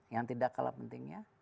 yang tidak kalah pentingnya